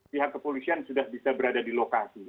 pihak kepolisian sudah bisa berada di lokasi